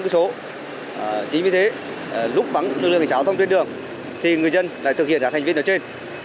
chính vì thế lúc bắn lực lượng trào thông trên đường thì người dân lại thực hiện các hành vi trên